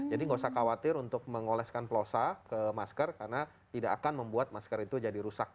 jadi tidak usah khawatir untuk mengoleskan plosa ke masker karena tidak akan membuat masker itu jadi rusak